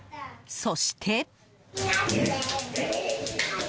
そして。